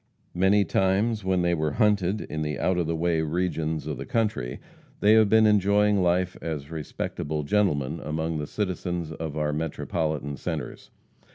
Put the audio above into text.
Many times when they were hunted in the out of the way regions of the country, they have been enjoying life as respectable gentlemen among the citizens of our Metropolitan centers.